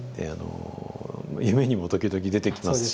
夢にも時々出てきますし。